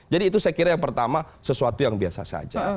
jadi itu saya kira yang pertama sesuatu yang biasa saja